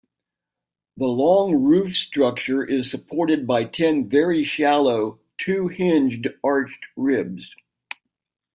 The long roof structure is supported by ten very shallow "two-hinged" arched ribs.